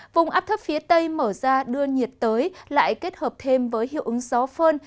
vùng áp thấp phía tây mở ra đưa nhiệt tới lại kết hợp thêm với hiệu ứng gió phơn